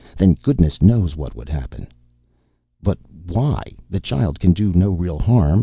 Then goodness knows what would happen." "But why? The child can do no real harm.